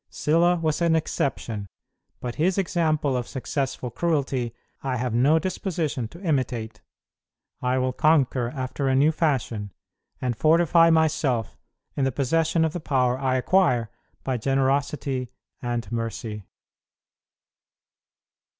Sylla was an exception; but his example of successful cruelty I have no disposition to imitate. I will conquer after a new fashion, and fortify myself in the possession of the power I acquire by generosity and mercy."